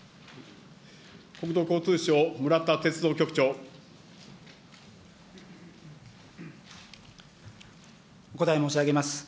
国土交通省、お答え申し上げます。